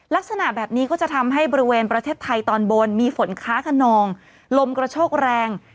ลักษณะแบบนี้ก็จะทำให้บริเวณประเทศไทยตอนบนมีฝนฟ้าขนองลมกระโชกแรง